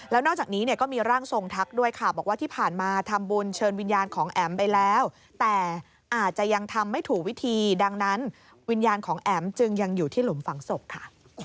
แล้วนอกจากนี้เนี่ยก็มีร่างทรงทักด้วยค่ะบอกว่าที่ผ่านมาทำบุญเชิญวิญญาณของแอ๋มไปแล้วแต่อาจจะยังทำไม่ถูกวิธีดังนั้นวิญญาณของแอ๋มจึงยังอยู่ที่หลุมฝังศพค่ะ